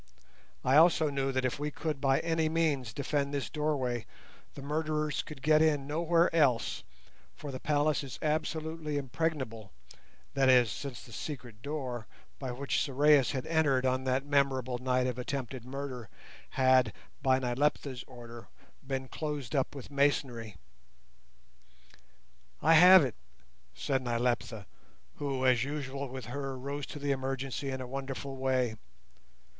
I also knew that if we could by any means defend this doorway the murderers could get in nowhere else; for the palace is absolutely impregnable, that is, since the secret door by which Sorais had entered on that memorable night of attempted murder had, by Nyleptha's order, been closed up with masonry. "I have it," said Nyleptha, who, as usual with her, rose to the emergency in a wonderful way.